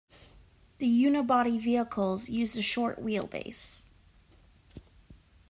The unibody vehicles used a short, wheelbase.